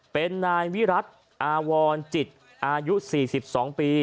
เป็นนายวิรัติอาวรจิตอายุ๔๒ปี